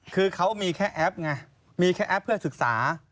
คือเขามีแค่แอปไงมีแค่แอปเพื่อศึกษา